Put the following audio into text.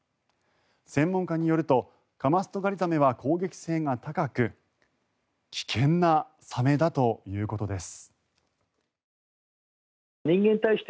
専門家によるとカマストガリザメは攻撃性が高く危険なサメだということです。